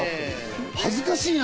恥ずかしいな。